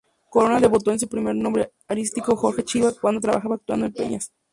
Corona debutó con su primer nombre artístico Jorge Chiva cuando trabajaba actuando en peñas.